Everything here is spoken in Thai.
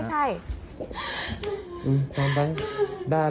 ความแป้งได้อะไรหน่อย